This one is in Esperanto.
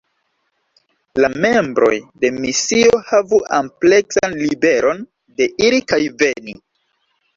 La membroj de misio havu ampleksan liberon de iri kaj veni.